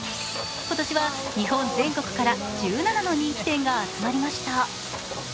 今年は日本全国から１７の人気店が集まりました。